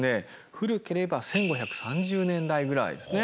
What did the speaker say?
古ければ１５３０年代ぐらいですね。